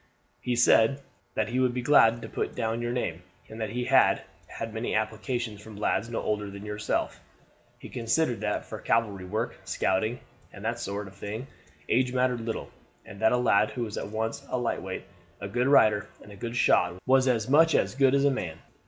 "He said that he would be glad to put down your name, and that he had had many applications from lads no older than yourself. He considered that for cavalry work, scouting, and that sort; of thing age mattered little, and that a lad who was at once a light weight, a good rider, and a good shot was of as much good as a man."